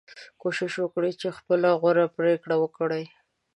کوشش وکړئ چې خپله غوره پریکړه وکړئ.